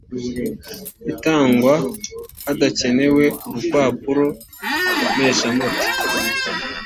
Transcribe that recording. itangwa hadakenewe urupapuro mpeshamuti